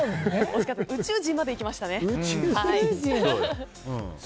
宇宙人までいきましたね。